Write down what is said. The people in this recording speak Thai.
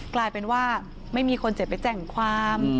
กลายเป็นว่าไม่มีคนเจ็บไปแจ้งความ